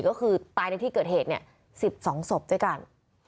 ก็คือตายในที่เกิดเหตุ๑๒ศพด้วยกัน